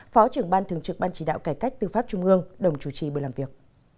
phó trưởng ban thường trực ban chỉ đạo cải cách tư pháp trung ương đồng chủ trì buổi làm việc